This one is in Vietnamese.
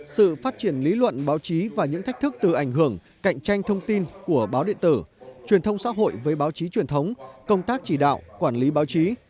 sự phát triển lý luận báo chí và những thách thức từ ảnh hưởng cạnh tranh thông tin của báo điện tử truyền thông xã hội với báo chí truyền thống công tác chỉ đạo quản lý báo chí